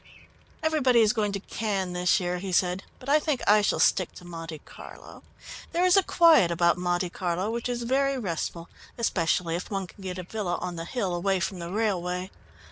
"Everybody is going to Cannes this year," he said, "but I think I shall stick to Monte Carlo. There is a quiet about Monte Carlo which is very restful, especially if one can get a villa on the hill away from the railway.